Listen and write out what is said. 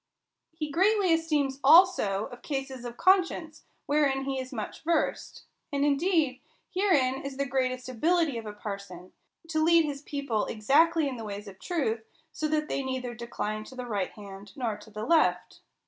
He greatly esteems also of cases of conscience ; wherein he is much versed. And indeed, herein is the greatest ability of a parson ; to lead his people exactly in the ways of truth, so that they neither decline to the right hand nor to the left.